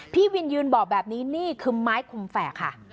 พี่วินยืนบอกแบบนี้นี่คือไม้คมแฝกค่ะ